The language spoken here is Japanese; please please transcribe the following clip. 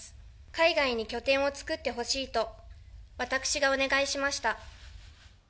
海外に拠点を作ってほしいと、私がお願いしました。